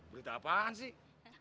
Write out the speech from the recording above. berita apaan sih